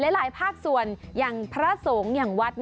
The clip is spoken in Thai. หลายภาคส่วนอย่างพระสงฆ์อย่างวัด